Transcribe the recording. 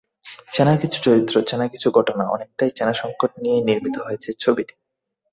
চেনা কিছু চরিত্র, চেনা কিছু ঘটনা, অনেকটাই চেনা সংকট নিয়েই নির্মিত হয়েছে ছবিটি।